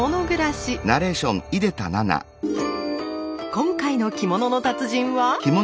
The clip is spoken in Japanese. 今回の着物の達人は。